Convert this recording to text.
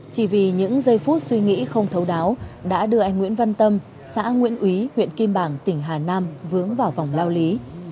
chỉ vì những giây phút suy nghĩ không thấu đáo đã đưa anh nguyễn văn tâm xã nguyễn úy huyện kim bảng tỉnh hà nam vướng vào vòng lao lý